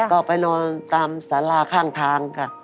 ก็ไปนอนตามสาราข้างทางค่ะ